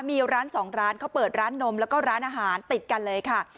มีร้านสองร้านเขาเปิดร้านนมแล้วก็ร้านอาหารติดกันเลยค่ะ